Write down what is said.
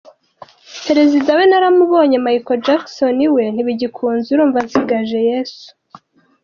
Perezida we naramubonye , Michael Jackson we ntibigikunze, urumva nsigaje Yesu”.